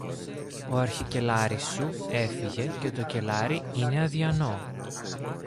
ο αρχικελάρης σου έφυγε και το κελάρι είναι αδειανό.